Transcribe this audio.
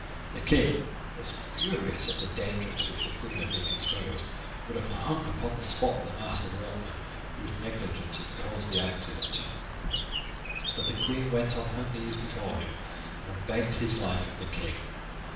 The king, who was furious at the danger to which the queen had been exposed, would have hung upon the spot the master workman whose negligence had caused the accident, but the queen went on her knees before him and begged his life of the king.